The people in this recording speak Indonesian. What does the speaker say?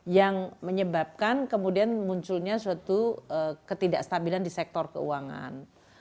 yang menyebabkan kemudian memunculnya suatu ketidak stabilan di sektor keuangan